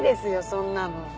そんなの。